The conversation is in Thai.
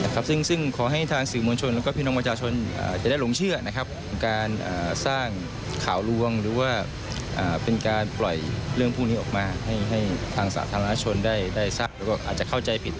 ครับซึ่งขอให้ทางสื่อมวลชนแล้วก็พี่น้องประชาชนจะได้หลงเชื่อนะครับการสร้างข่าวลวงหรือว่าเป็นการปล่อยเรื่องพวกนี้ออกมาให้ทางสาธารณชนได้ทราบแล้วก็อาจจะเข้าใจผิด